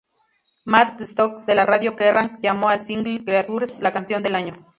Matt Stocks de la Radio Kerrang llamó al single "Creatures" la canción del año.